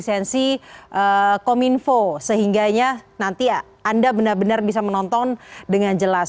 yang sudah berlisensi cominfo sehingga nanti anda benar benar bisa menonton dengan jelas